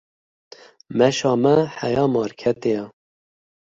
Meşa me heya marketê ye.